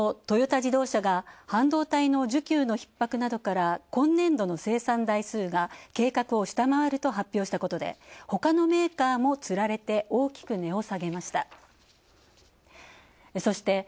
トヨタ自動車が半導体の需給の逼迫などから今年度の生産台数が計画を下回ると発表したことで、ほかのメーカーもつられて大きく値を下げました。